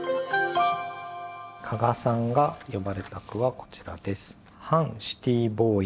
加賀さんが詠まれた句はこちらです。